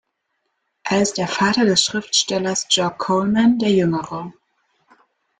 Er ist der Vater des Schriftstellers George Colman der Jüngere.